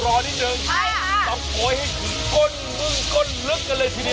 โกยอีกโกยอีกโกยอีกโกยอีกโกยอีกโกยอีกโกยอีก